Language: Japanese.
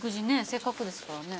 せっかくですからね。